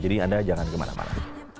jadi anda jangan kemana mana